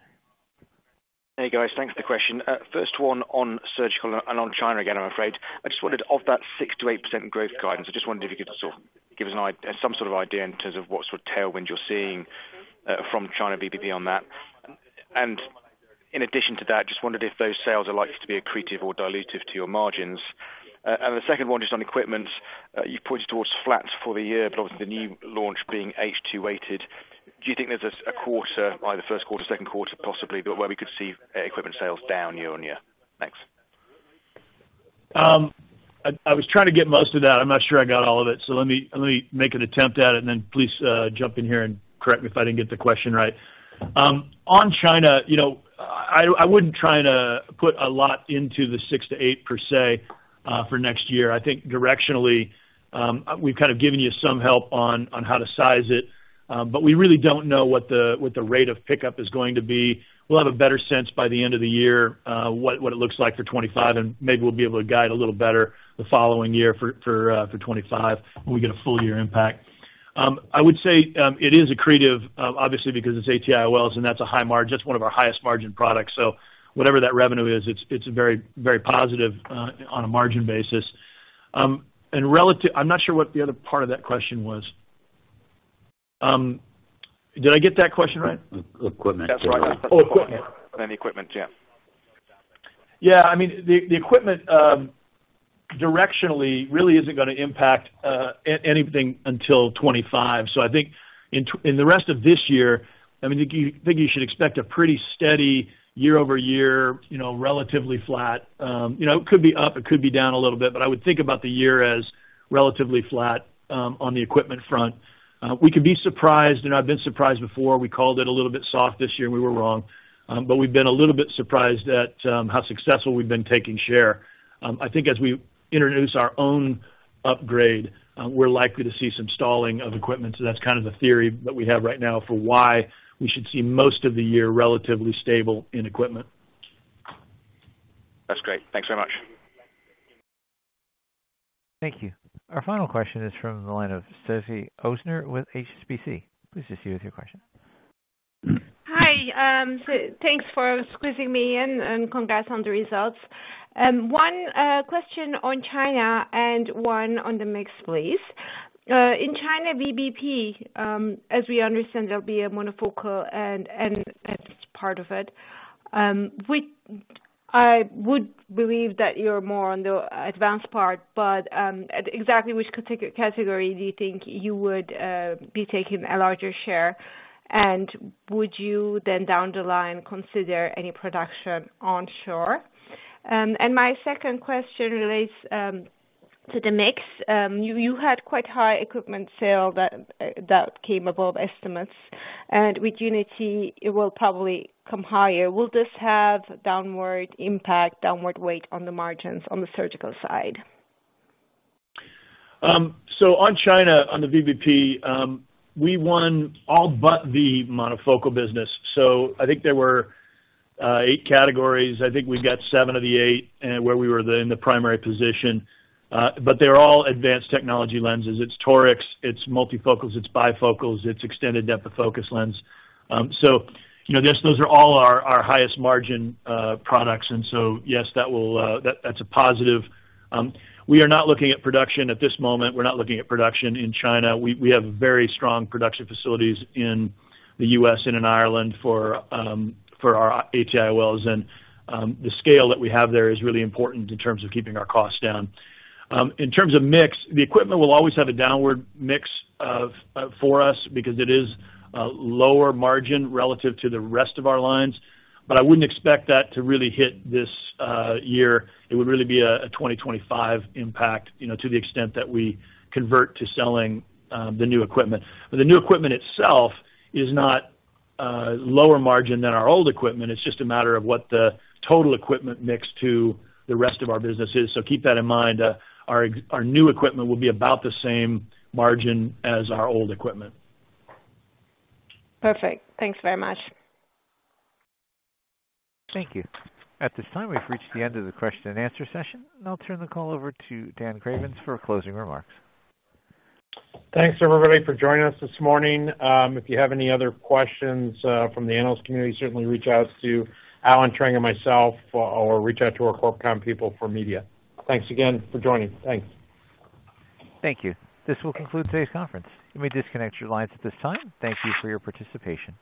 Hey, guys. Thanks for the question. First one on surgical and on China again, I'm afraid. I just wondered, of that 6%-8% growth guidance, I just wondered if you could sort of give us some sort of idea in terms of what sort of tailwind you're seeing from China VBP on that. And in addition to that, just wondered if those sales are likely to be accretive or dilutive to your margins. And the second one, just on equipment, you've pointed towards flat for the year, but obviously, the new launch being H2-weighted. Do you think there's a quarter, either first quarter, second quarter, possibly, where we could see equipment sales down year on year? Thanks. I was trying to get most of that. I'm not sure I got all of it. So let me make an attempt at it, and then please jump in here and correct me if I didn't get the question right. On China, I wouldn't try to put a lot into the 6-8 per se for next year. I think directionally, we've kind of given you some help on how to size it, but we really don't know what the rate of pickup is going to be. We'll have a better sense by the end of the year what it looks like for 2025, and maybe we'll be able to guide a little better the following year for 2025 when we get a full-year impact. I would say it is accretive, obviously, because it's AT-IOLs, and that's a high margin. That's one of our highest margin products. Whatever that revenue is, it's very, very positive on a margin basis. I'm not sure what the other part of that question was. Did I get that question right? Equipment. That's right. Oh, equipment. On any equipment, yeah. Yeah. I mean, the equipment directionally really isn't going to impact anything until 2025. So I think in the rest of this year, I mean, I think you should expect a pretty steady year-over-year, relatively flat. It could be up. It could be down a little bit. But I would think about the year as relatively flat on the equipment front. We could be surprised. I've been surprised before. We called it a little bit soft this year, and we were wrong. But we've been a little bit surprised at how successful we've been taking share. I think as we introduce our own upgrade, we're likely to see some stalling of equipment. So that's kind of the theory that we have right now for why we should see most of the year relatively stable in equipment. That's great. Thanks very much. Thank you. Our final question is from the line of Sophie Osner with HSBC. Please proceed with your question. Hi. Thanks for squeezing me in, and congrats on the results. One question on China and one on the mix, please. In China VBP, as we understand, there'll be a monofocal and part of it. I would believe that you're more on the advanced part, but exactly which category do you think you would be taking a larger share? And would you then, down the line, consider any production onshore? And my second question relates to the mix. You had quite high equipment sale that came above estimates. And with UNITY, it will probably come higher. Will this have downward impact, downward weight on the margins on the surgical side? So on China, on the VBP, we won all but the monofocal business. So I think there were eight categories. I think we got seven of the eight where we were in the primary position. But they're all advanced technology lenses. It's torics. It's multifocals. It's bifocals. It's extended depth of focus lens. So those are all our highest margin products. And so yes, that's a positive. We are not looking at production at this moment. We're not looking at production in China. We have very strong production facilities in the U.S. and in Ireland for our AT-IOLs. And the scale that we have there is really important in terms of keeping our costs down. In terms of mix, the equipment will always have a downward mix for us because it is a lower margin relative to the rest of our lines. But I wouldn't expect that to really hit this year. It would really be a 2025 impact to the extent that we convert to selling the new equipment. But the new equipment itself is not lower margin than our old equipment. It's just a matter of what the total equipment mix to the rest of our business is. So keep that in mind. Our new equipment will be about the same margin as our old equipment. Perfect. Thanks very much. Thank you. At this time, we've reached the end of the question and answer session. I'll turn the call over to Dan Cravens for closing remarks. Thanks, everybody, for joining us this morning. If you have any other questions from the analyst community, certainly reach out to Allen Trang and myself or reach out to our Corp Comm people for media. Thanks again for joining. Thanks. Thank you. This will conclude today's conference. You may disconnect your lines at this time. Thank you for your participation.